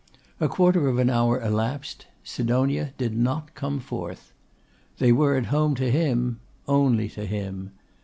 A quarter of an hour elapsed; Sidonia did not come forth. They were at home to him; only to him.